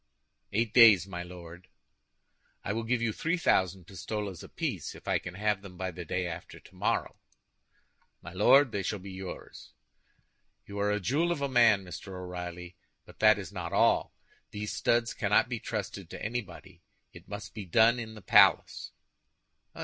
"Eight days, my Lord." "I will give you three thousand pistoles apiece if I can have them by the day after tomorrow." "My Lord, they shall be yours." "You are a jewel of a man, Mr. O'Reilly; but that is not all. These studs cannot be trusted to anybody; it must be done in the palace."